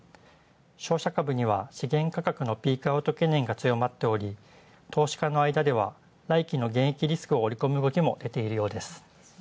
商社株には、ピークアウト懸念が強まっており、投資家の間では来期のリスクを織り込む動きも出ているようです。